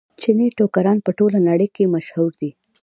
چیني ټوکران په ټوله نړۍ کې مشهور دي.